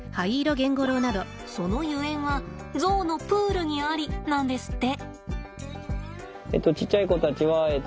そのゆえんはゾウのプールにありなんですって。